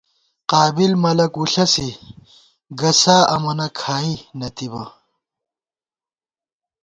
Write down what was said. قابِل ملَک وُݪَسی ، گہ سا امَنہ کھائی نہ تِبہ